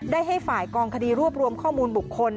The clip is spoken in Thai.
ให้ฝ่ายกองคดีรวบรวมข้อมูลบุคคล